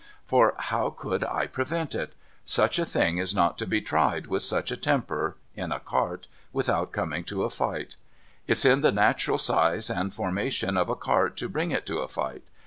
For how could I prevent it ? Such a thing is not to be tried with such a temper — in a cart — without coming to a fight. It's in the natural size and formation of a cart to bring it to a fight.